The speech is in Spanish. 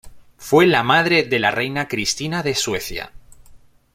Fue la madre de la reina Cristina de Suecia.